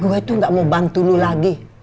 gue tuh gak mau bantu lo lagi